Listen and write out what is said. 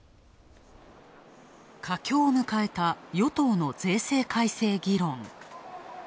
佳境を迎えた与党の税制改正議論。